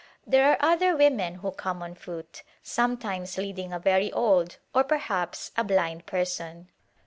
There are other women who come on foot, sometimes leading a very old or perhaps a blind per son.